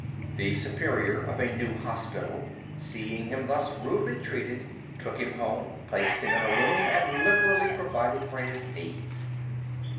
The superior of a new hospital, seeing him thus rudely treated, took him home, placed him in a room, and liberally provided for his needs.